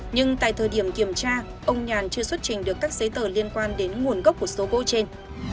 nhưng tại thời điểm kiểm tra ông nhàn chưa xuất trình được các giấy tờ liên quan đến nguồn gốc của số gỗ trên